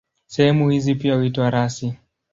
Sehemu hizi pia huitwa rasi.